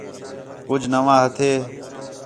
کُج نواں ہتھے